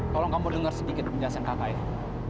tolong kamu dengar sedikit penjelasan kakak ini